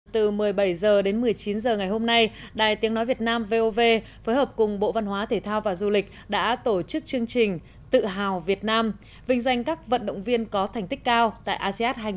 từ một mươi bảy h đến một mươi chín h ngày hôm nay đài tiếng nói việt nam vov phối hợp cùng bộ văn hóa thể thao và du lịch đã tổ chức chương trình tự hào việt nam vinh danh các vận động viên có thành tích cao tại asean hai nghìn một mươi tám